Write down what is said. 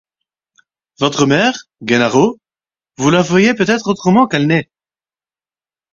Votre mère, Gennaro! vous la voyez peut-être autrement qu’elle n’est.